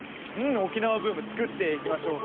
沖縄ブーム作っていきましょうか。